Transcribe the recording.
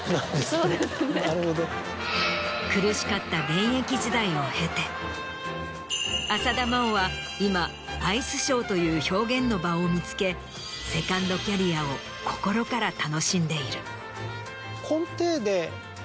そうですね。を経て浅田真央は今アイスショーという表現の場を見つけセカンドキャリアを心から楽しんでいる。